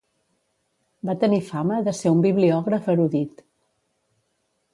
Va tenir fama de ser un bibliògraf erudit.